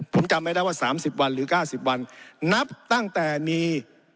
ผมจำไม่ได้ว่า๓๐วันหรือ๙๐วันนับตั้งแต่มี